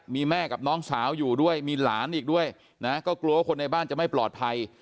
มีแม่กับน้องสาวอยู่ด้วยมีหลานอีกด้วยนะก็กลัวว่าคนในบ้านจะไม่ปลอดภัย